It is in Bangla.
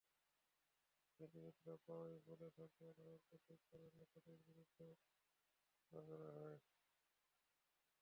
রাজনীতিবিদেরা প্রায়ই বলে থাকেন, রাজনৈতিক কারণে তাঁদের বিরুদ্ধে মামলা করা হয়।